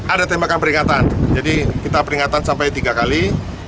ada tembakan peringatan jadi kita peringatan sampai tiga kali